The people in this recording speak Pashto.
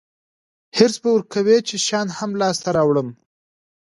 حرص به ورکوي چې شیان هم لاسته راوړم.